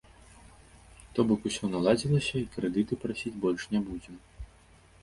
То бок усё наладзілася, і крэдыты прасіць больш не будзем.